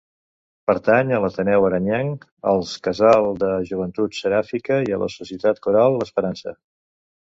Pertany a l'Ateneu Arenyenc, als Casal de Joventut Seràfica i a la Societat Coral l'Esperança.